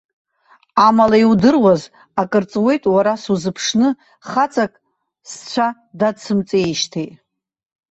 Амала иудыруаз, акыр ҵуеит уара сузыԥшны, хаҵак сцәа дадсымҵеижьҭеи.